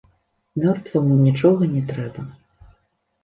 Мёртваму нічога не трэба.